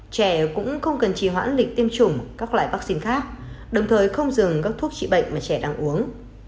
trẻ cũng không cần trì hoãn lịch tiêm chủng các loại vaccine khác đồng thời không dừng các thuốc trị bệnh mà trẻ đang uống